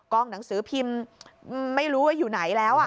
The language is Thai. หนังสือพิมพ์ไม่รู้ว่าอยู่ไหนแล้ว